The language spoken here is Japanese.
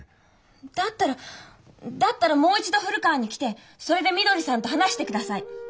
だったらだったらもう一度古川に来てそれでみどりさんと話してください。